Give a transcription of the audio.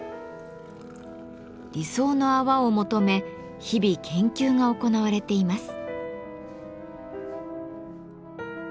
理想の泡を求め日々研究が行われています。